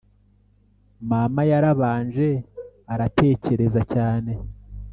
Mama yarabanje aratekereza cyane.